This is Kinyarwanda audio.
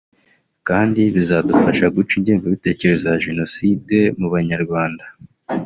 kandi bizadufasha guca ingengabitekerezo ya Jenoside mu Banyarwanda